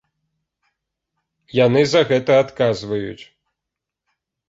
Яны за гэта адказваюць.